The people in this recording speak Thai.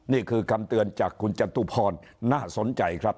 นี่คือคำเตือนจากคุณจตุพรน่าสนใจครับ